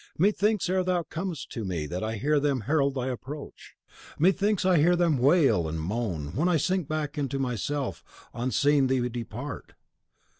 Methinks, ere thou comest to me that I hear them herald thy approach. Methinks I hear them wail and moan, when I sink back into myself on seeing thee depart.